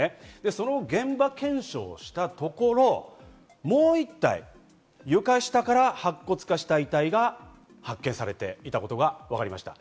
その現場検証をしたところ、もう１体、床下から白骨化した遺体が発見されていたことがわかりました。